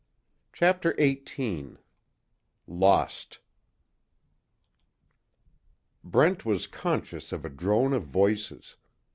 CHAPTER XVIII LOST Brent was conscious of a drone of voices.